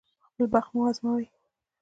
خپل بخت وازمايي.